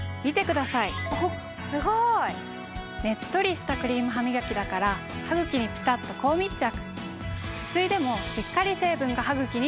ねっとりしたクリームハミガキだからハグキにピタッと高密着。